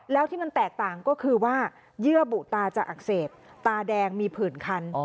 แล้วที่มันแตกต่างก็คือว่าเยื่อบุตาจะอักเสบตาแดงมีผื่นคัน